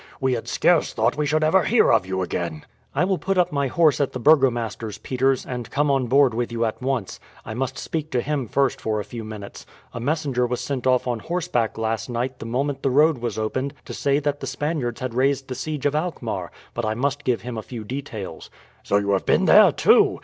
We had scarce thought we should ever hear of you again." "I will put up my horse at the burgomaster's, Peters, and come on board with you at once. I must speak to him first for a few minutes. A messenger was sent off on horseback last night the moment the road was opened to say that the Spaniards had raised the siege of Alkmaar; but I must give him a few details." "So you have been there too?